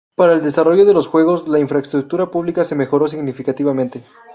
Para el desarrollo de los Juegos, la infraestructura pública se mejoró significativamente.